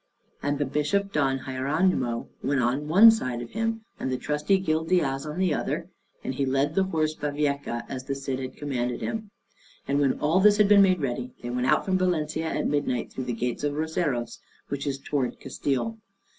And the Bishop Don Hieronymo went on one side of him, and the trusty Gil Diaz on the other, and he led the horse Bavieca, as the Cid had commanded him. And when all this had been made ready, they went out from Valencia at midnight, through the gate of Roseros, which is towards Castile.